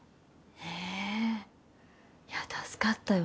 へぇいや助かったよ。